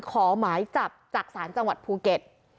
ขอหมายจับจากศาลจังหวัดภูเก็ต